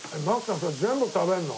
それ全部食べるの？